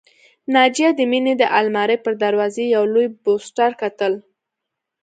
ناجیه د مينې د آلمارۍ پر دروازه یو لوی پوسټر کتل